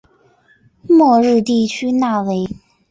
莫热地区讷维。